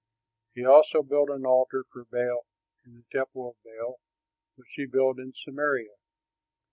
He also built an altar for Baal in the temple of Baal, which he built in Samaria.